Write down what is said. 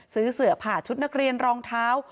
เสือผ่าชุดนักเรียนรองเท้า